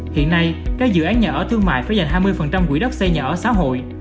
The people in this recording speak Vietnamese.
hiện nay các dự án nhà ở thương mại phải dành hai mươi quỹ đất xây nhà ở xã hội